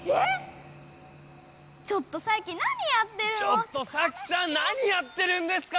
ちょっとサキさん何やってるんですか！